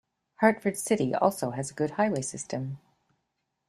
Hartford City also has a good highway system.